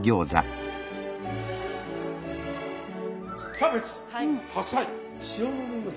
キャベツ白菜。